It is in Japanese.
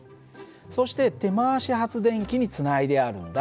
そして手回し発電機につないであるんだ。